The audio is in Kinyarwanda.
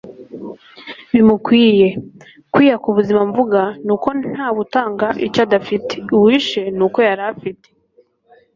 bimukwiye.kwiyaka ubuzima mvuga, ni uko ntawe utanga icyo adafite. uwishe ni uko yari afite